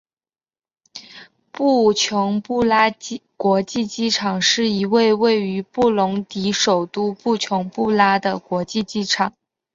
布琼布拉国际机场是一位位于布隆迪首都布琼布拉的国际机场。